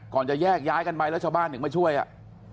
จะแยกย้ายกันไปแล้วชาวบ้านถึงมาช่วยอ่ะ